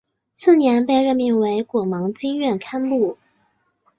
次年被任命为果芒经院堪布。